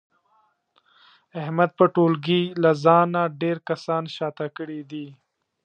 احمد په ټولګي له ځانه ډېر کسان شاته کړي دي.